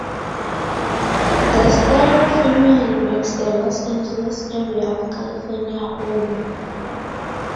The Storr family makes the Los Angeles area of California home.